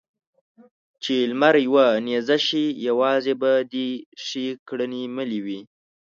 چې لمر يوه نېزه شي؛ يوازې به دې ښې کړنې ملې وي.